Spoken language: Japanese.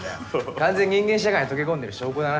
完全人間社会に溶け込んでる証拠だな。